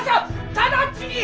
直ちに！